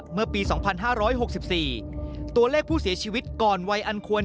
เมื่อปี๒๕๖๔ตัวเลขผู้เสียชีวิตก่อนวัยอันควร